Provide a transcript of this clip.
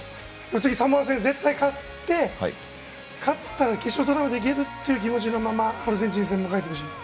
次、サモア戦に絶対に勝って勝ったら決勝トーナメント行けるという気持ちのままアルゼンチン戦を迎えてほしい。